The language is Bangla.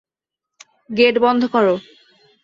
গেট বন্ধ কর।